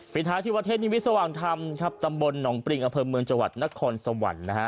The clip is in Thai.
ปีท้ายที่วัดเทพนิวิทย์สว่างธรรมทัพตำบลหนองปริงอเภิลเมืองจวัดนครสวรรค์นะฮะ